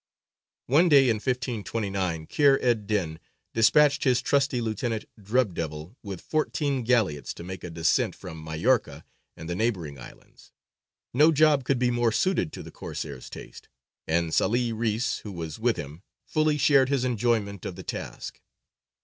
One day in 1529 Kheyr ed dīn despatched his trusty lieutenant "Drub Devil" with fourteen galleots to make a descent upon Majorca and the neighbouring islands. No job could be more suited to the Corsair's taste, and Sālih Reïs, who was with him, fully shared his enjoyment of the task.